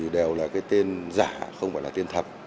đều là cái tên giả không phải là tiên thật